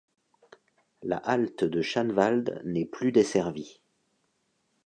La halte de Schaanwald n'est plus desservie.